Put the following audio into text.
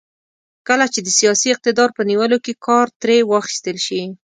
کله چې د سیاسي اقتدار په نیولو کې کار ترې واخیستل شي.